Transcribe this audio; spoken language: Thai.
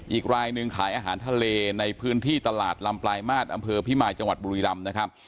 อีกรายหนึ่งขายอาหารทะเลในพื้นที่ตลาดลำปลายมาตรอำเภอพิมายจังหวัดบุรีรำนะครับ